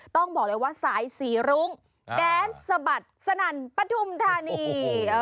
ต้องบอกเลยว่าสายสีรุ้งแดนสะบัดสนั่นปฐุมธานี